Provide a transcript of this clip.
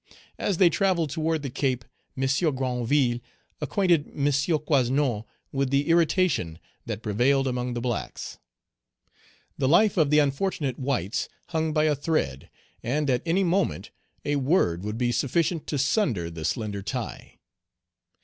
As they travelled toward the Cape, M. Granville acquainted M. Coasnon with the irritation that prevailed among the blacks. The life of the unfortunate whites hung by a thread, and, at any moment, a word would be sufficient to sunder the slender tie.